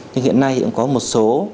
nhưng hiện nay thì cũng có một số